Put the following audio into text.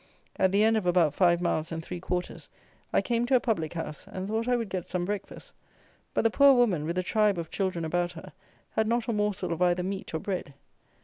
At the end of about five miles and three quarters I came to a public house, and thought I would get some breakfast; but the poor woman, with a tribe of children about her, had not a morsel of either meat or bread!